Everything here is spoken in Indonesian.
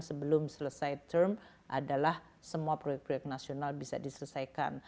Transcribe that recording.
sebelum selesai term adalah semua proyek proyek nasional bisa diselesaikan